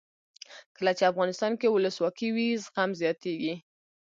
کله چې افغانستان کې ولسواکي وي زغم زیاتیږي.